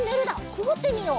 くぐってみよう。